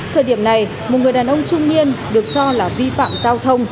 thời điểm này một người đàn ông trung niên được cho là vi phạm giao thông